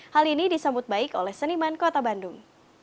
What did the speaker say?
hal ini disambut baik oleh seniman kota bandung